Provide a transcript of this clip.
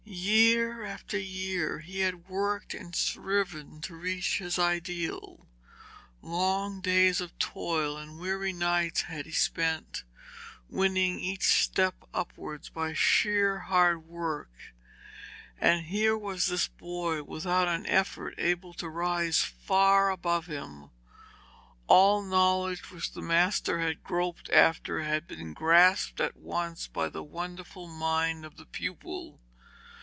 Year after year had he worked and striven to reach his ideal. Long days of toil and weary nights had he spent, winning each step upwards by sheer hard work. And here was this boy without an effort able to rise far above him. All the knowledge which the master had groped after, had been grasped at once by the wonderful mind of the pupil.